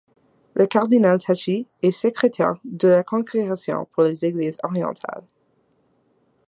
Le cardinal Tacci est secrétaire de la congrégation pour les Églises orientales.